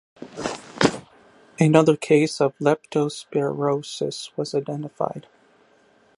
Another case of leptospirosis was identified.